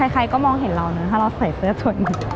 ใครก็มองเห็นเรานะถ้าเราใส่เสื้อส่วนหนึ่ง